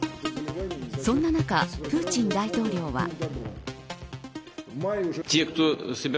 そんな中、プーチン大統領は。